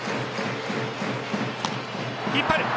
引っ張る。